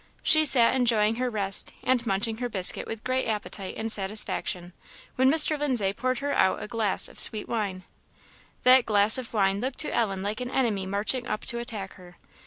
She sat enjoying her rest, and munching her biscuit with great appetite and satisfaction, when Mr. Lindsay poured her out a glass of sweet wine. That glass of wine looked to Ellen like an enemy marching up to attack her.